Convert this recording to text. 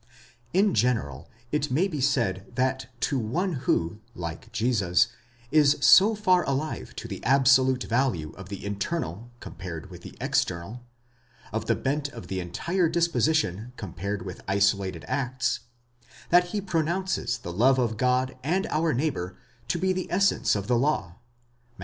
In general it may besaid thatto one who, like Jesus, is so far alive to the absolute value of the internal compared with the external, of the bent of the entire disposition compared with isolated acts, that he pronounces the love of God and our neighbour to be the essence of the law (Matt.